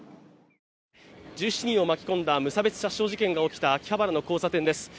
１７人を巻き込んだ無差別殺傷事件が起きた秋葉原の交差点です。